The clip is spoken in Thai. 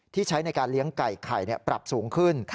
ใช้ในการเลี้ยงไก่ไข่ปรับสูงขึ้น